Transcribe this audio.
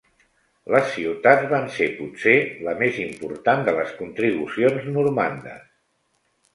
Les ciutats van ser, potser, la més important de les contribucions normandes.